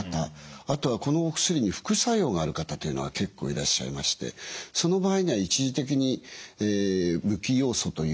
あとはこのお薬に副作用がある方というのは結構いらっしゃいましてその場合には一時的に無機ヨウ素というのを使うことがございます。